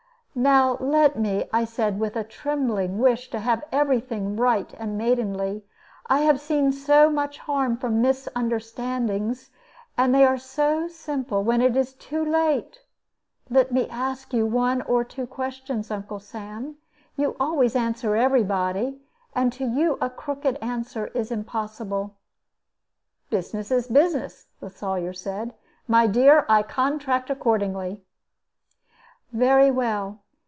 "Now let me," I said, with a trembling wish to have every thing right and maidenly. "I have seen so much harm from misunderstandings, and they are so simple when it is too late let me ask you one or two questions, Uncle Sam. You always answer every body. And to you a crooked answer is impossible." "Business is business," the Sawyer said. "My dear, I contract accordingly." "Very well.